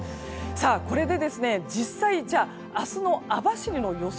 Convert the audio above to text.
これで、実際明日の網走の予想